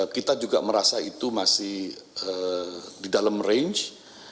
kita juga merasa itu masih di dalam range